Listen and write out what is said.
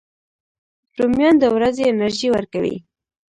رومیان د ورځې انرژي ورکوي